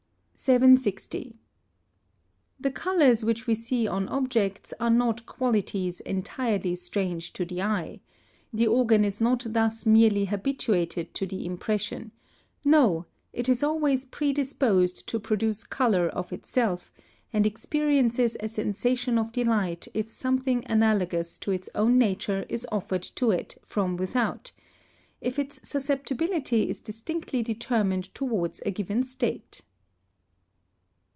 760. The colours which we see on objects are not qualities entirely strange to the eye; the organ is not thus merely habituated to the impression; no, it is always predisposed to produce colour of itself, and experiences a sensation of delight if something analogous to its own nature is offered to it from without; if its susceptibility is distinctly determined towards a given state.